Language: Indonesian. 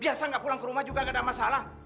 biasa gak pulang ke rumah juga gak ada masalah